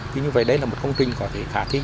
thì như vậy đây là một công trình có thể khả thi